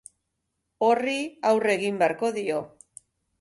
Horri aurre egin beharko dio.